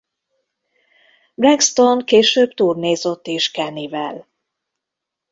Braxton később turnézott is Kennyvel.